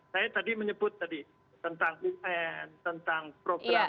saya tadi menyebut tadi tentang un tentang program